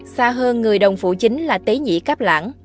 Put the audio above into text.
xa hơn người đồng phụ chính là tế nhĩ cáp lãng